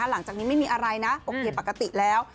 หลังจากนี้ไม่มีอะไรนะโอเคปกติแล้ว